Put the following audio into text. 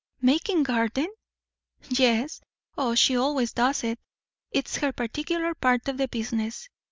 "Making garden!" "Yes; O, she always does it. It's her particular part of the business.